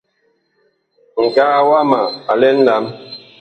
Ŋgaa wama a lɛ a nlam.